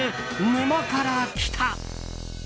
「沼から来た。」。